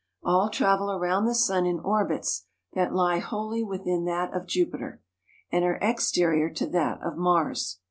All travel around the sun in orbits that lie wholly within that of Jupiter and are exterior to that of Mars.